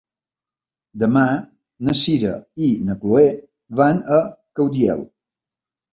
Demà na Sira i na Chloé van a Caudiel.